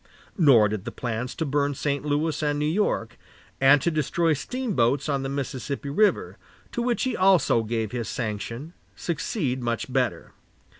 Nor did the plans to burn St. Louis and New York, and to destroy steamboats on the Mississippi River, to which he also gave his sanction, succeed much better.